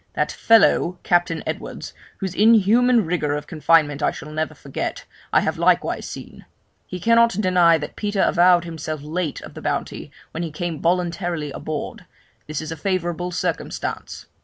That fellow, Captain Edwards, whose inhuman rigour of confinement I shall never forget, I have likewise seen; he cannot deny that Peter avowed himself late of the Bounty when he came voluntarily aboard; this is a favourable circumstance.